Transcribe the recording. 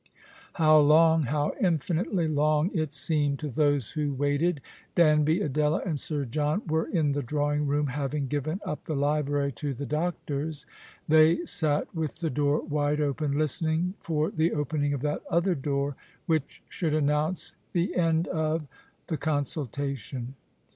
How long, how infinitely long it seemed to those who waited ! Danby, Adela, and Sir John were in the drawing room, having given up the library to the doctors. They sat with the door wide open, listening for the opening of that other door, which should announce the end of, the consultation.